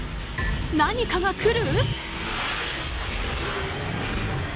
何かが来る？